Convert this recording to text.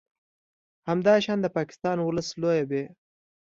همداشان د پاکستان ولس لویه ب